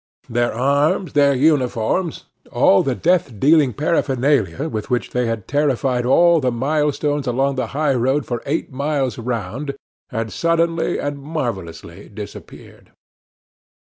Their arms, their uniforms, all the death dealing paraphernalia with which they had terrified all the milestones along the highroad for eight miles round, had suddenly and marvellously disappeared.